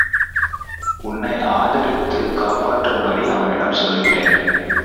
உன்னை ஆதரித்துக் காப்பாற்றும்படி அவனிடம் சொல்லுகிறேன்.